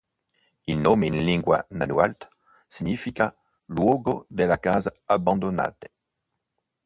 Il nome in lingua nahuatl significa "luogo delle case abbandonate.